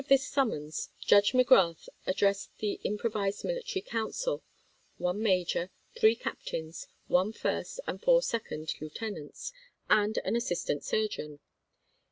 wk this summons, Judge Magrath addressed the im provised military council — one major, three cap D°?Fortsy' tains, one first and four second lieutenants, and Mouft™ an assistant surgeon.